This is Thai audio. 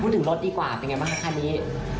พูดถึงรถดีกว่าเป็นยังไงบ้างค่ะค่ะนี้